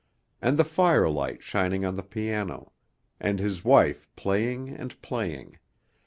and the firelight shining on the piano ... and his wife playing and playing....